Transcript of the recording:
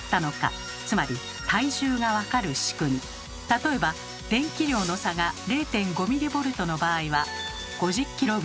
例えば電気量の差が０．５ｍＶの場合は５０ｋｇ。